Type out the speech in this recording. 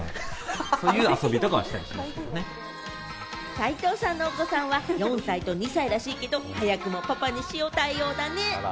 斎藤さんのお子さんは４歳と２歳らしいんですけど、パパに塩対応だね。